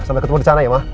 sampai ketemu di sana ya ma